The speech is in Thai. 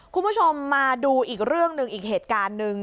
คุณผู้ชมมาดูอีกเรื่องหนึ่งอีกเหตุการณ์หนึ่ง